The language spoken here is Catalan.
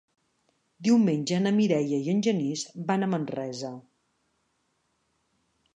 Diumenge na Mireia i en Genís van a Manresa.